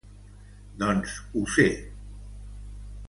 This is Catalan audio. —Doncs ho sé.